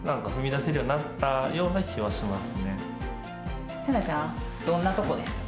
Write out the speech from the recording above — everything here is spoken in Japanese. せなちゃん、どんなところでしたか？